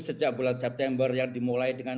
sejak bulan september yang dimulai dengan